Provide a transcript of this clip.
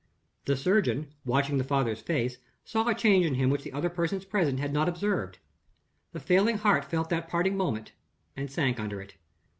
The surgeon, watching the father's face, saw a change in him which the other persons present had not observed. The failing heart felt that parting moment, and sank under it.